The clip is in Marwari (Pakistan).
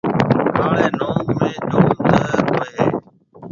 ڪاݪيَ ناگ ۾ جوم زهر هوئي هيَ۔